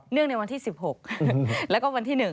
ในวันที่๑๖แล้วก็วันที่๑